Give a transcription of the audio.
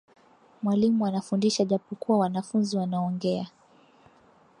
Mwalimu anafundisha japokuwa wanafunzi wanaongea.